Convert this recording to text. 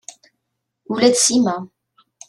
Ula d Sima.